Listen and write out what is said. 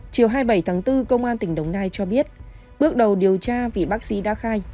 chiều hai mươi bảy tháng bốn công an tỉnh đồng nai cho biết bước đầu điều tra vì bác sĩ đã khai